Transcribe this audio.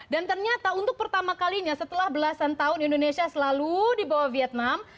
dan ternyata untuk pertama kalinya setelah belasan tahun indonesia selalu di bawah vietnam